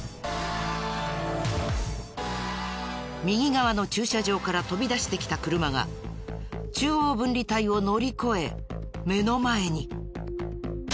右側の駐車場から飛びだしてきた車が中央分離帯を乗り越え目の前に。